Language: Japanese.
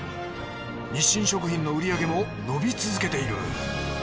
日清食品の売り上げも伸び続けている。